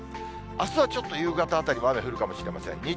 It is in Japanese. あすはちょっと夕方あたりも雨が降るかもしれません。